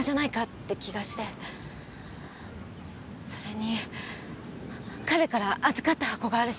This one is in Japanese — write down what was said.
それに彼から預かった箱があるし。